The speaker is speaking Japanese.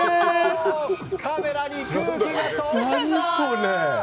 カメラに空気が飛んできます！